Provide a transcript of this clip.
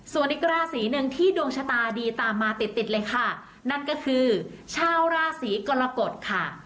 ส่วนอีกราศีหนึ่งที่ดวงชะตาดีตามมาติดติดเลยค่ะนั่นก็คือชาวราศีกรกฎค่ะ